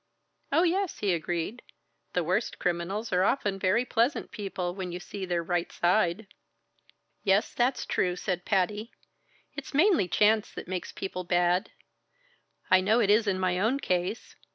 "Oh, yes," he agreed, "the worst criminals are often very pleasant people when you see their right side." "Yes, that's true," said Patty. "It's mainly chance that makes people bad I know it is in my own case.